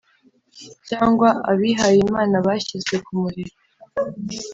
cyangwa abihayimana bashyizwe kumuriro.